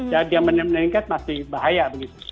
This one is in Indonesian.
jadi yang meningkat masih bahaya begitu